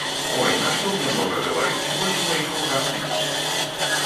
Ой, нашто мне многа гаварыць, вось у маіх руках ліст.